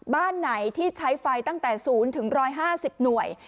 บ้านไหนที่ใช้ไฟตั้งแต่๐๑๕๐หน่วย